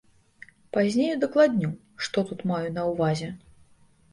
Пазней удакладню, што тут маю на ўвазе.